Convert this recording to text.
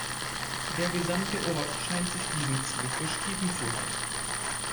Der gesamte Ort scheint sich diesem Ziel verschrieben zu haben.